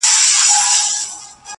کيسه تماشه نه حل ښيي ښکاره,